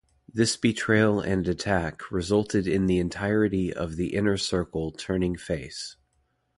This betrayal and attack resulted in the entirety of the Inner Circle turning face.